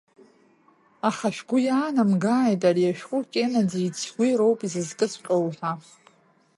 Аха шәгәы иаанамгааит, ари ашәҟәы Кеннедии ицгәи роуп изызкыҵәҟоу ҳәа…